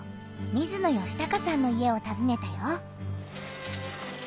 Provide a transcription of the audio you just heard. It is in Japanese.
水野嘉孝さんの家をたずねたよ。